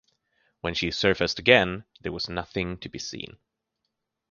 When she surfaced again, there was nothing to be seen.